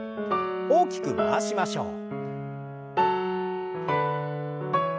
大きく回しましょう。